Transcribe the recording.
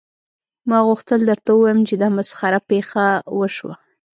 ما غوښتل درته ووایم چې دا مسخره پیښه وشوه